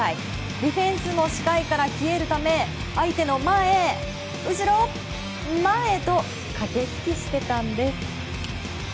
ディフェンスの視界から消えるため相手の前、後ろ、前と駆け引きしてたんです。